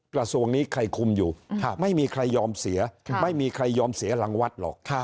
กระทรวงนี้ใครคุมอยู่ไม่มีใครยอมเสียไม่มีใครยอมเสียหลังวัดหรอก